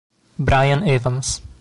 Brian Evans